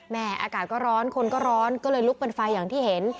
อากาศก็ร้อนคนก็ร้อนก็เลยลุกเป็นไฟอย่างที่เห็น